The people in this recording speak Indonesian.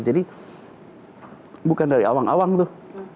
jadi bukan dari awang awang tuh